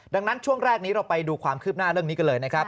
ดังนั้นช่วงแรกนี้เราไปดูความคืบหน้าเรื่องนี้กันเลยนะครับ